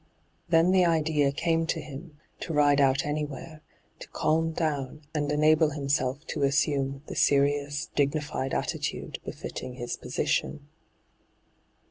Then the idea came to him to ride out anywhei^, to calm down and enable himself to assume the serious, dignified attitude befitting his position.